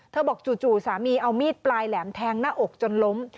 บอกจู่สามีเอามีดปลายแหลมแทงหน้าอกจนล้ม